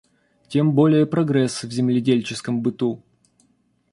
Тем более прогресс в земледельческом быту.